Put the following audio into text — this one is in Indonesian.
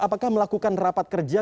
apakah melakukan rapat kerja